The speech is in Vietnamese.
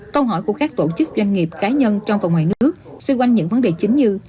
câu hỏi của các tổ chức doanh nghiệp cá nhân trong và ngoài nước xoay quanh những vấn đề chính như